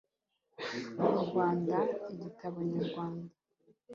U rwanda igitabo nyamwaka